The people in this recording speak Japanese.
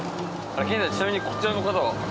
健二さんちなみにこちらの方は？